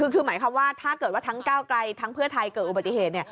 คือหมายความว่าถ้าเกิดว่าทั้งก้าวไกลทั้งเพื่อไทยเกิดอุบัติเหตุ